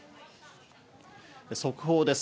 速報です。